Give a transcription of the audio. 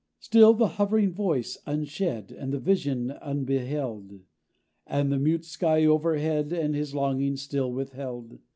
Still, the hovering Voice unshed, And the Vision unbeheld, And the mute sky overhead, And his longing, still withheld!